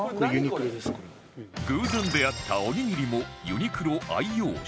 偶然出会ったおにぎりもユニクロ愛用者